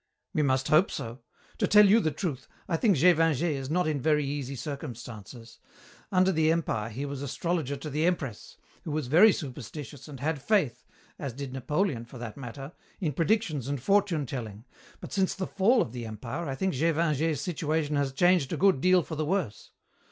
"We must hope so. To tell you the truth, I think Gévingey is not in very easy circumstances. Under the Empire he was astrologer to the Empress, who was very superstitious and had faith as did Napoleon, for that matter in predictions and fortune telling, but since the fall of the Empire I think Gévingey's situation has changed a good deal for the worse.